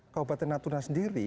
kabupaten natuna sendiri